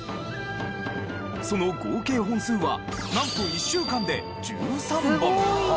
その合計本数はなんと１週間で１３本！